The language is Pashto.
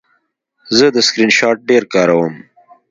زه د سکرین شاټ ډېر کاروم.